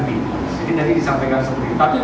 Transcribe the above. jadi tadi disampaikan seperti itu